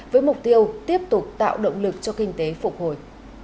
với mục tiêu tiếp tục tạo động lực cho kinh tế phục hồi